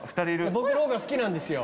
僕の方が好きなんですよ。